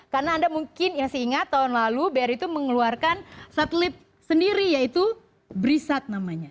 karena anda mungkin ya seingat tahun lalu bri itu mengeluarkan satelit sendiri yaitu brisat namanya